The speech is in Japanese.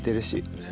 ねえ。